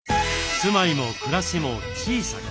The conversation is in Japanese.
住まいも暮らしも小さく。